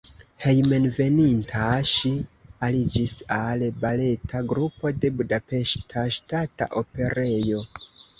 Hejmenveninta ŝi aliĝis al baleta grupo de Budapeŝta Ŝtata Operejo.